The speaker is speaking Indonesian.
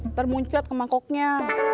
ntar munculat ke mangkoknya